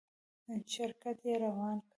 چپرکټ يې روان کړ.